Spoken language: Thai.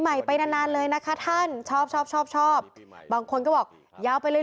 ไปนานนานเลยนะคะท่านชอบชอบชอบชอบบางคนก็บอกยาวไปเลย